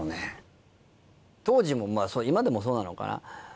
当時も今でもそうなのかな？